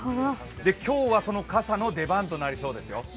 今日は、その傘の出番となりそうですよ。